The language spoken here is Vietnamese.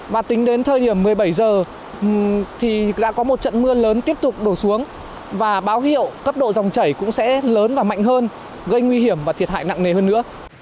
và tính đến thời điểm một mươi bảy giờ thì đã có một trận mưa lớn tiếp tục đổ xuống và báo hiệu cấp độ dòng chảy cũng sẽ lớn và mạnh hơn gây nguy hiểm và thiệt hại nặng nề hơn nữa